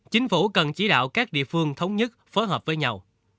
chính phủ cần chỉ đạo các địa phương thống nhất phối hợp với nhau